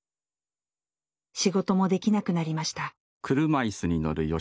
仕事もできなくなりました。